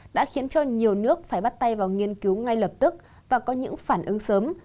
đã khiến cho nhiều nước phải bắt tay vào nghiên cứu ngay lập tức và có những phản ứng sớm